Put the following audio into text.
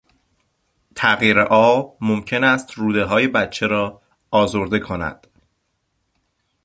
تغییر آب ممکن است رودههای بچه را آزرده کند.